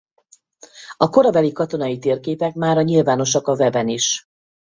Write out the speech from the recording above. A korabeli katonai térképek mára nyilvánosak a weben is.